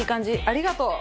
ありがとう。